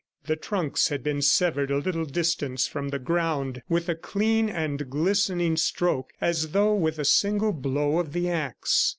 The trunks had been severed a little distance from the ground with a clean and glistening stroke, as though with a single blow of the axe.